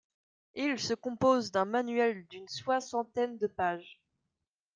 Il se compose d'un manuel d'une soixantaine de pages.